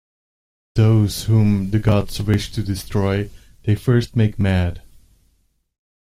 Those whom the gods wish to destroy, they first make mad.